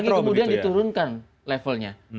apalagi kemudian diturunkan levelnya